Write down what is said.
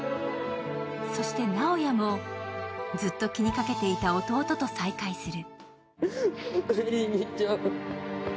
そして直哉も、ずっと気にかけていた弟と再会する。